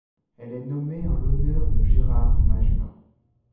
Elle est nommée en l'honneur de Gérard Majella.